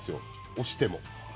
押しても。